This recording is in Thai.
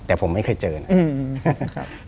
แต่ผมไม่เคยเจอนะครับ